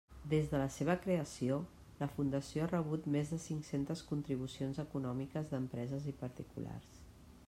Des de la seva creació, la fundació ha rebut més de cinc-centes contribucions econòmiques d'empreses i particulars.